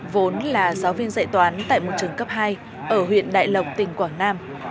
vốn là giáo viên dạy toán tại một trường cấp hai ở huyện đại lộc tỉnh quảng nam